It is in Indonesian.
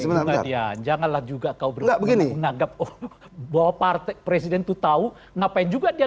sebenarnya janganlah juga kau nggak begini nanggap bawa partai presiden tuh tahu ngapain juga dia